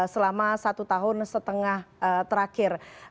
selama satu tahun setengah terakhir